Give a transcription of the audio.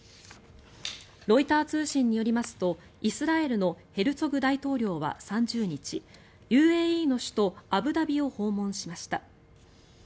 ロイター通信によりますとイスラエルのヘルツォグ大統領は３０日ＵＡＥの首都アブダビを訪問しました。